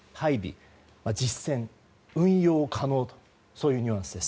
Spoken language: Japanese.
実戦運用可能というニュアンスです。